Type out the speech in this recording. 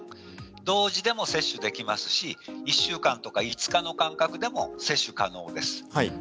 同時でも接種できますし１週間とか５日の間隔でも接種が可能です。